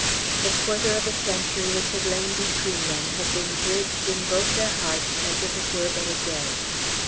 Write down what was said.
The quarter of a century which had lain between them had been bridged in both their hearts as if it were but a day.